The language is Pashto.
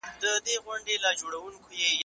زه به اوږده موده تکړښت کړی وم!.